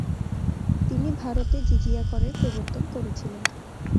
তিনি ভারতে জিজিয়া করের প্রবর্তন করেছিলেন।